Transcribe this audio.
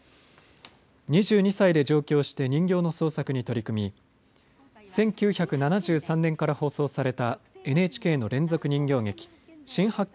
２２歳で上京して人形の創作に取り組み１９７３年から放送されたＮＨＫの連続人形劇、新八犬